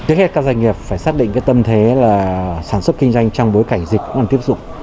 trước hết các doanh nghiệp phải xác định cái tâm thế là sản xuất kinh doanh trong bối cảnh dịch còn tiếp dụng